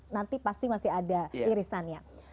nanti pasti masih ada irisannya